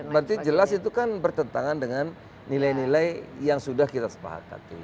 berarti jelas itu kan bertentangan dengan nilai nilai yang sudah kita sepakati